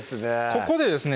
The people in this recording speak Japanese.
ここでですね